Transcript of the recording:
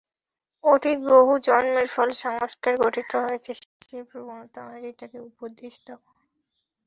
অতীত বহু জন্মের ফলে সংস্কার গঠিত হয়েছে, শিষ্যের প্রবণতা অনুযায়ী তাকে উপদেশ দাও।